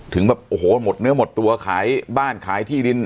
ถึงแบบโอ้โหหมดเนื้อหมดตัวขายบ้านขายที่ดิน